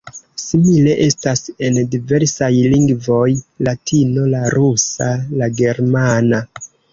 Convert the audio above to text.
Simile estas en diversaj lingvoj: Latino, la rusa, la germana.